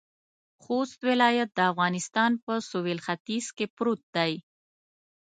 خوست ولایت د افغانستان په سویل ختيځ کې پروت دی.